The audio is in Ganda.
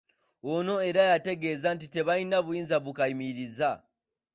Ono era yategeeza nti tebalina buyinza bukayimiriza.